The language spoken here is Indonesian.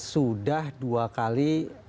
sudah dua kali